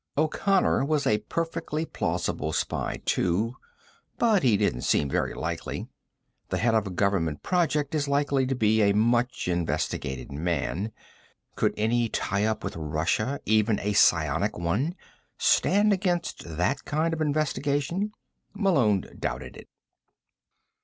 O'Connor was a perfectly plausible spy, too. But he didn't seem very likely. The head of a Government project is likely to be a much investigated man. Could any tie up with Russia even a psionic one stand against that kind of investigation? Malone doubted it.